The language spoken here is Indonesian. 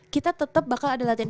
kita tetap bakal ada latihan